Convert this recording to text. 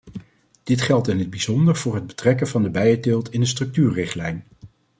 Dit geldt in het bijzonder voor het betrekken van de bijenteelt in de structuurrichtlijn.